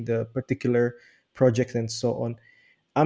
dalam proyek tertentu dan sebagainya